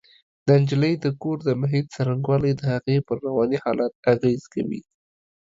د نجلۍ د کور د محیط څرنګوالی د هغې پر رواني حالت اغېز کوي